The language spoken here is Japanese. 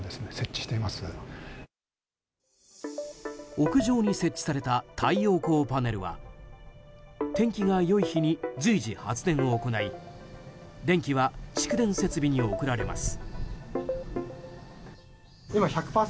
屋上に設置された太陽光パネルは天気が良い日に随時発電を行い電機は蓄電設備に送られます。